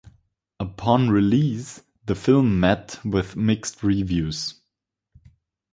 Upon release the film met with mixed reviews.